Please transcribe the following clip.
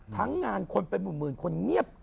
งานคนเป็นหมื่นคนเงียบ